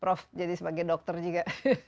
prof jadi sebagai dokter juga